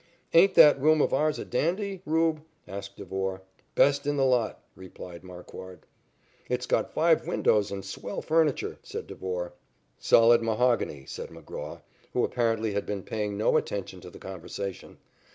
"Ain't that room of ours a dandy, Rube?" asked Devore. "Best in the lot," replied Marquard. "It's got five windows and swell furniture," said Devore. "Solid mahogany," said McGraw, who apparently had been paying no attention to the conversation.